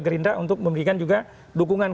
gerindra untuk memberikan juga dukungan